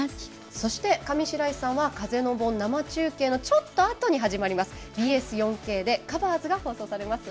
そして上白石さんは風の盆のちょっと、あとに始まりますＢＳ４Ｋで「Ｃｏｖｅｒｓ」が放送されます。